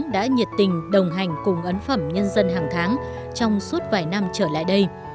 lê thiết cương đã nhiệt tình đồng hành cùng ấn phẩm nhân dân hàng tháng trong suốt vài năm trở lại đây